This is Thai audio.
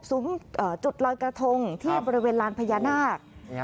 จุดลอยกระทงที่บริเวณลานพญานาค